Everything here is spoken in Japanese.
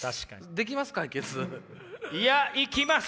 できます？